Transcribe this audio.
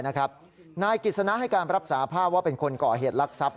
นายกิจสนะให้การรับสาภาพว่าเป็นคนก่อเหตุลักษัพ